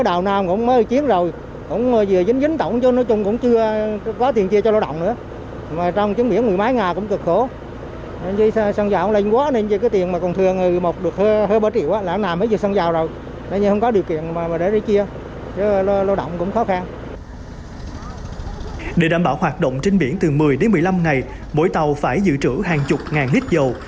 để đảm bảo hoạt động trên biển từ một mươi đến một mươi năm ngày mỗi tàu phải giữ trữ hàng chục ngàn lít dầu